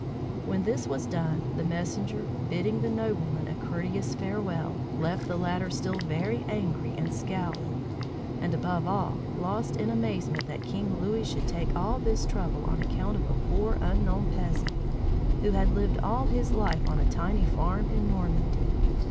When this was done, the messenger, bidding the nobleman a courteous farewell, left the latter still very angry and scowling, and, above all, lost in amazement that King Louis should take all this trouble on account of a poor, unknown peasant, who had lived all his life on a tiny farm in Normandy!